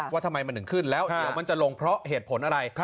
ว่าทำไมมันถึงขึ้นแล้วเดี๋ยวมันจะลงเพราะเหตุผลอะไร